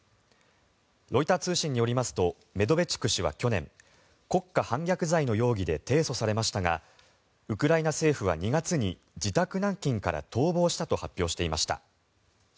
ロイター通信によりますとメドベチュク氏は去年国家反逆罪の容疑で提訴されましたがウクライナ政府は２月に自宅軟禁から逃亡したと発表していました。